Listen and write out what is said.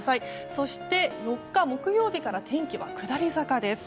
そして４日、木曜日から天気は下り坂です。